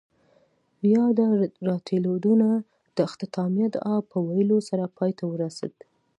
ياده راټولېدنه د اختتامیه دعاء پۀ ويلو سره پای ته ورسېده.